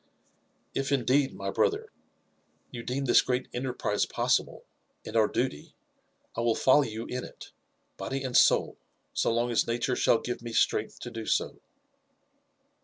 ''If indeed, my brother, you deem this great enterprise possible, and our duty, I will follow you ip it, body and soul, so long as nature shall give me strength to do so."